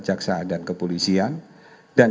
jaksa dan kepolisian dan